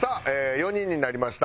４人になりました。